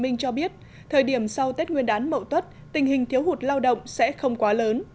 nguyễn văn thọ cho biết thời điểm sau tết nguyên đán mậu tuyết tình hình thiếu hụt lao động sẽ không quá lớn